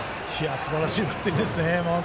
すばらしいバッティングですね。